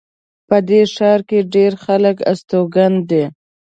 په دې ښار کې ډېر خلک استوګن دي